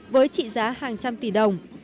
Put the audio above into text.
với trị giá hàng trăm tỷ đồng